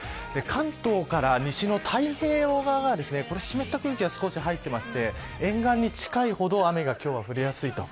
関東から西の太平洋側っはこれ湿った空気が少し入っていまして沿岸に近いほど雨が降りやすいと。